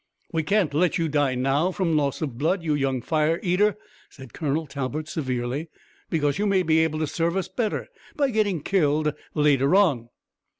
"We can't let you die now from loss of blood, you young fire eater," said Colonel Talbot severely, "because you may be able to serve us better by getting killed later on."